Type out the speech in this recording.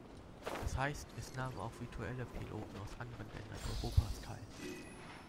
Das heißt, es nahmen auch virtuelle Piloten aus anderen Ländern Europas teil.